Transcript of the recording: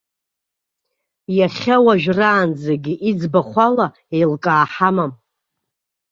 Иахьа уажәраанӡагьы иӡбахә ала еилкаа ҳамам.